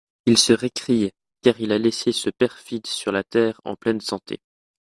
Il se récrie, car il a laissé ce perfide sur la terre en pleine santé.